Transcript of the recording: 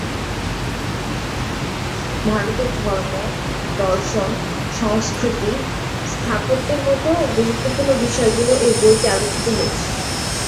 ভারতের ধর্ম, দর্শন, সংস্কৃতি, স্থাপত্যের মতো গুরুত্বপূর্ণ বিষয়গুলি এই বইতে আলোচিত হয়েছে।